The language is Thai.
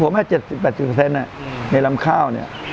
ผมให้๗๘๐ในลำข้าวเนี่ย